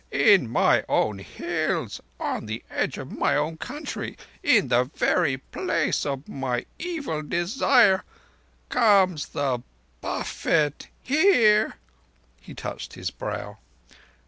In my own Hills, on the edge of my own country, in the very place of my evil desire, comes the buffet—here!" (He touched his brow.)